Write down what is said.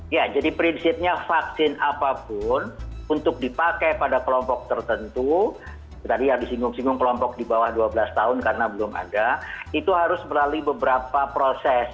ya jadi prinsipnya vaksin apapun untuk dipakai pada kelompok tertentu tadi yang disinggung singgung kelompok di bawah dua belas tahun karena belum ada itu harus melalui beberapa proses